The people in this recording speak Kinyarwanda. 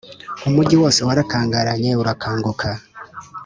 umujyi wose warakangaranye urakanguka